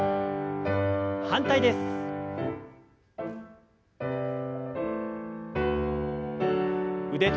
反対です。